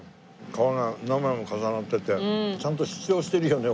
皮が何枚も重なっててちゃんと主張してるよね